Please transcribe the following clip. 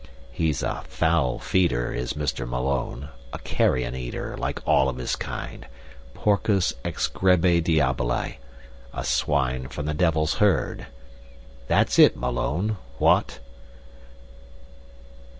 He's a foul feeder, is Mr. Malone, a carrion eater, like all of his kind porcus ex grege diaboli a swine from the devil's herd. That's it, Malone what?"